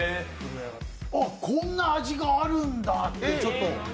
こんな味があるんだって。